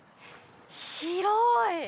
広い。